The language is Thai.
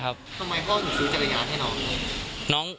เพราะทำไมพ่อกูซื้อจักรยานให้น้อง